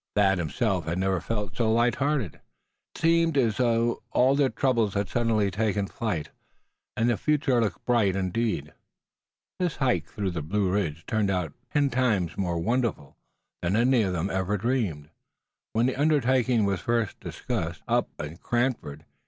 Thad himself had never felt so light hearted. It seemed as though all of their troubles had suddenly taken flight, and the future looked bright indeed. This hike through the Blue Ridge had turned out ten times more wonderful than any of them had ever dreamed, when the undertaking was first discussed, away up in Cranford.